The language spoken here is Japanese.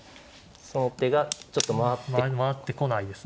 その手がちょっと回ってこない。